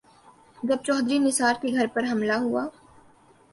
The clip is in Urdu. جب چوہدری نثار کے گھر پر حملہ ہوا۔